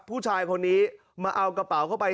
ผู้ชายคนนี้มาเอากระเป๋าเข้าไป